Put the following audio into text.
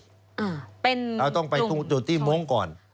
เราต้องไปจุดที่โม้งก่อน